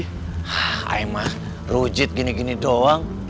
hah aema rujit gini gini doang